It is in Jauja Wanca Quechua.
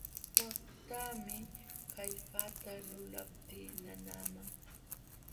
Waqtaami kallpata lulaptii nanaman.